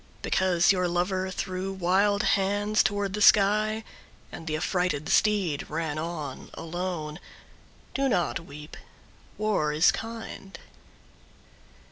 Because your lover threw wild hands toward the sky And the affrighted steed ran on alone, Do not weep. War is kind.